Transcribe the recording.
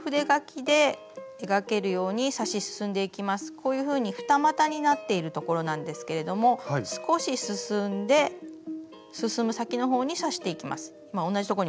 こういうふうに二股になっているところなんですけれども少し進んで進む先のほうに刺していきます。